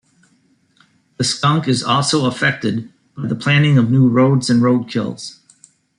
The skunk is also affected by the planning of new roads and road-kills.